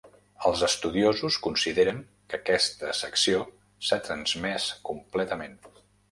Els estudiosos consideren que aquesta secció s'ha transmès completament.